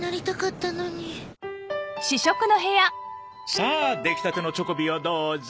さあできたてのチョコビをどうぞ。